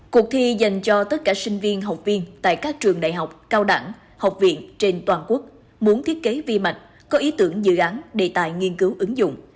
cuộc thi dành cho tất cả sinh viên học viên tại các trường đại học cao đẳng học viện trên toàn quốc muốn thiết kế vi mạch có ý tưởng dự án đề tài nghiên cứu ứng dụng